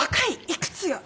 いくつよ？